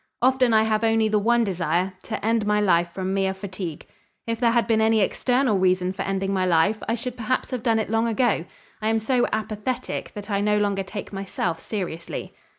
Often I have only the one desire, to end my life from mere fatigue. If there had been any external reason for ending my life, I should perhaps have done it long ago. I am so apathetic that I no longer take myself seriously.